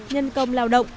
nhân công lao động